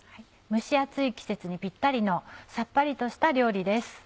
蒸し暑い季節にピッタリのさっぱりとした料理です。